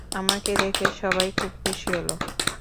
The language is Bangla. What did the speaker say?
আমাকে দেখে সবাই খুব খুশি হলো।